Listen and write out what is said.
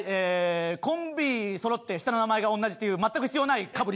コンビそろって下の名前が同じという全く必要ないかぶり。